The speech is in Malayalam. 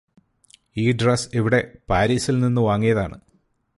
ഈ ഡ്രസ്സ് ഇവിടെ പാരിസിൽ നിന്ന് വാങ്ങിയതാണ്